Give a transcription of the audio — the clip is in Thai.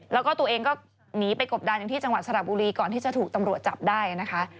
แล้วก็ตัวเองก็หนีไปกบดานอย่างที่จังหวัดสระบุรีก่อนที่จะถูกตำรวจจับได้นะคะ